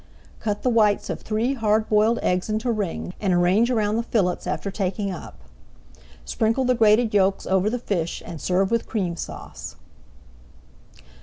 Cut the whites of three hard boiled eggs into rings, and arrange around the fillets after taking up. Sprinkle the grated yolks over the fish and serve with Cream Sauce.